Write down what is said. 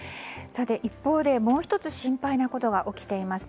一方でもう１つ心配なことが起きています。